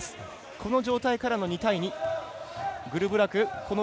この状態からの２対２。